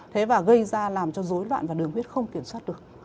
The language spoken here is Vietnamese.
thế và gây ra làm cho dối loạn và đường huyết không kiểm soát được